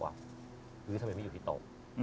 ฤ้าที่ทำไมไม่อยู่ที่โต๊ะ